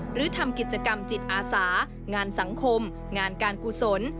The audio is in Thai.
หรือทำกิจกรรมจิตอาสางานสังคมงานการกุศล